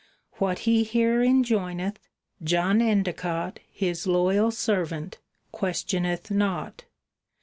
What he here enjoineth, John Endicott, His loyal servant, questioneth not.